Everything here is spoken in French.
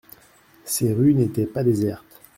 Ces rues n'étaient pas désertes.